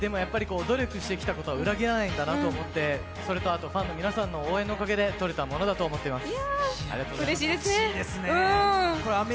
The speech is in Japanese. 努力してきたことは裏切らないんだなと思ってそれとあとファンの皆さんの応援のおかげで取れたものだと思っています。